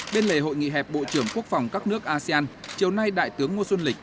bên lề hội nghị hẹp bộ trưởng quốc phòng các nước asean chiều nay đại tướng ngô xuân lịch